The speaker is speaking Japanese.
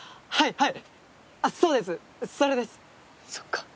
はい。